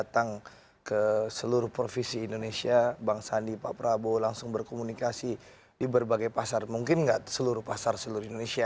tapi tahan dulu ya tahan dulu